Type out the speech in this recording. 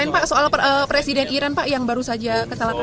pak soal presiden iran pak yang baru saja kesalahan